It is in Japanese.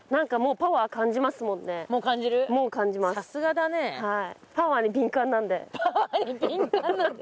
「パワーに敏感なんで」？